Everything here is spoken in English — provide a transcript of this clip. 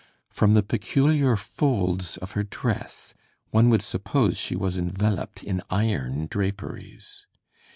From the peculiar folds of her dress, one would suppose she was enveloped in iron draperies.